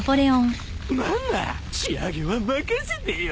ママ仕上げは任せてよ。